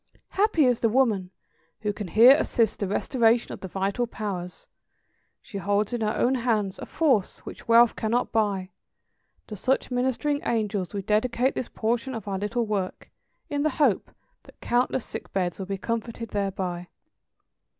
Happy the woman who can here assist the restoration of the vital powers; she holds in her own hands a force which wealth cannot buy. To such ministering angels we dedicate this portion of our little work, in the hope that countless sick beds will be comforted thereby.